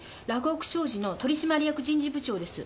洛北商事の取締役人事部長です。